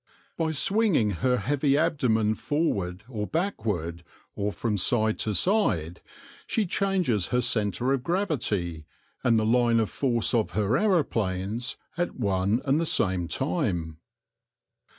By swinging her heavy abdomen forward or backward, or from side to side, she changes her centre of gravity, and the line of force of her aeroplanes, at one and the same time.